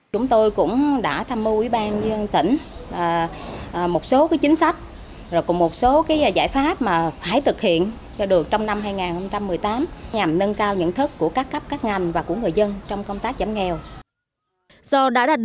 chúng tôi cũng đã tham mưu ý bàn